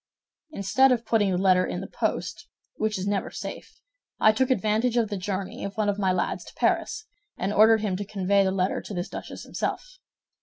"Instead of putting the letter in the post, which is never safe, I took advantage of the journey of one of my lads to Paris, and ordered him to convey the letter to this duchess himself.